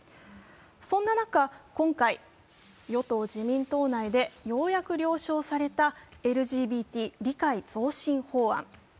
そんな中、今回、与党・自民党内でようやく了承されたＬＧＢＴ理解増進法案。